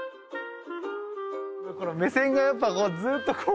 この目線がやっぱずっとこう。